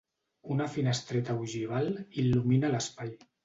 Una finestreta ogival il·lumina l'espai.